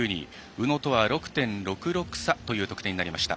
宇野とは６．６６差という得点になりました。